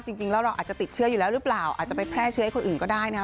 จริงแล้วเราอาจจะติดเชื้ออยู่แล้วหรือเปล่าอาจจะไปแพร่เชื้อให้คนอื่นก็ได้นะ